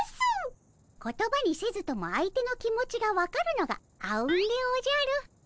言葉にせずとも相手の気持ちが分かるのがあうんでおじゃる。